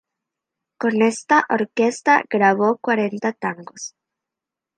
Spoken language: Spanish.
Con esta orquesta grabó cuarenta tangos.